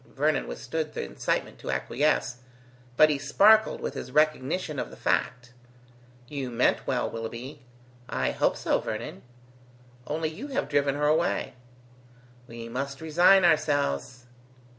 Vernon withstood the incitement to acquiesce, but he sparkled with his recognition of the fact. "You meant well, Willoughby." "I hope so, Vernon." "Only you have driven her away." "We must resign ourselves."